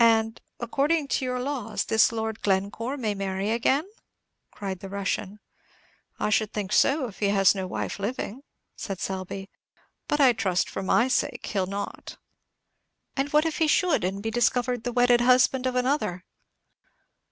"And, according to your laws, this Lord Glencore may marry again?" cried the Russian. "I should think so, if he has no wife living," said Selby; "but I trust, for my sake, he'll not." "And what if he should, and should be discovered the wedded husband of another?"